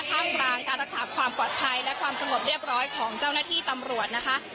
ท่ามกลางการรักษาความปลอดภัยและความสงบเรียบร้อยของเจ้าหน้าที่ตำรวจนะคะ